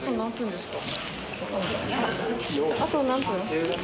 あと何分？